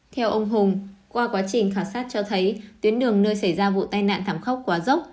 theo ông hùng qua quá trình khảo sát cho thấy tuyến đường nơi xảy ra vụ tai nạn thảm khốc quá dốc